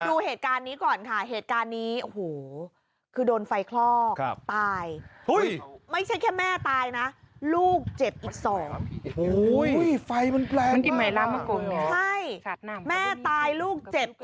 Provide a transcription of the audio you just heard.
ดูเหตุการณ์นี้ก่อนค่ะเหตุการณ์นี้โห